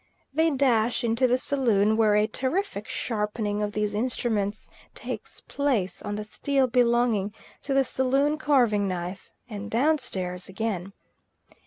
They dash into the saloon, where a terrific sharpening of these instruments takes place on the steel belonging to the saloon carving knife, and down stairs again.